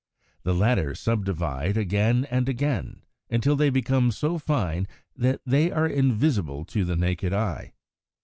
The latter subdivide again and again, until they become so fine that they are invisible to the naked eye.